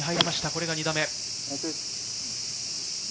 これが２打目。